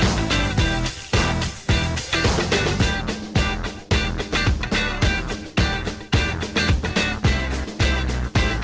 โปรดติดตามตอนต่อไป